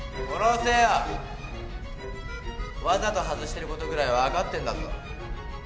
わざと外してることぐらい分かってんだぞ。